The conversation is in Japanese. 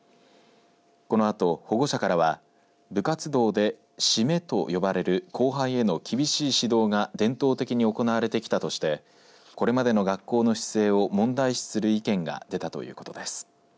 このあと、保護者からは部活動で、シメと呼ばれる後輩への厳しい指導が伝統的に行われてきたとしてこれまでの学校の姿勢を問題視する意見が出たということです。